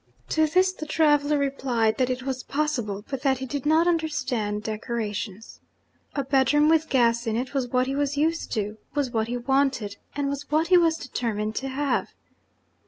To this the traveller replied that it was possible, but that he did not understand decorations. A bedroom with gas in it was what he was used to, was what he wanted, and was what he was determined to have.